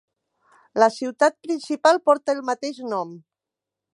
La ciutat principal porta el mateix nom.